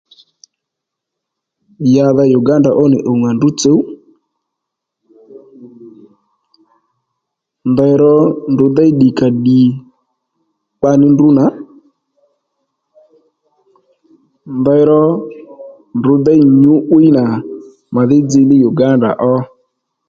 Yǎdha Uganda ó nì ùw ŋà ndrǔ tsǔw ndey ró ró ndrǔ déy ddìkàddì kpa ní ndrǔ nà ndéy ró ndrǔ déy nyǔ'wiy nà mà dhí dzilíy Uganda ó